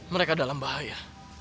mereka dalam bahaya